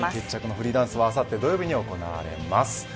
フリーダンスはあさって土曜日に行われます。